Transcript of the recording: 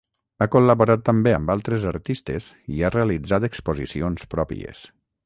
Ha col·laborat també amb altres artistes i ha realitzat exposicions pròpies.